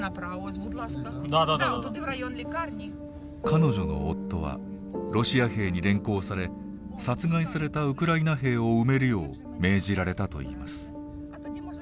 彼女の夫はロシア兵に連行され殺害されたウクライナ兵を埋めるよう命じられたといいます。